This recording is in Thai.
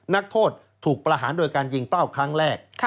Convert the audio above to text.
นักโทษถูกประหารโดยการยิงเป้าครั้งแรก